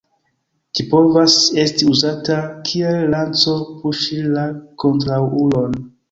Ĝi povas esti uzata kiel lanco puŝi la kontraŭulon.